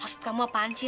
maksud kamu apaan sih